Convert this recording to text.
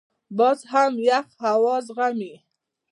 باز هم یخ هوا زغمي